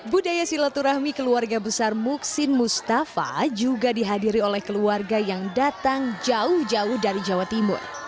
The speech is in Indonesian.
budaya silaturahmi keluarga besar muksin mustafa juga dihadiri oleh keluarga yang datang jauh jauh dari jawa timur